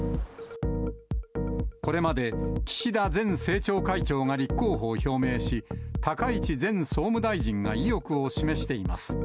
これまで、岸田前政調会長が立候補を表明し、高市前総務大臣が意欲を示しています。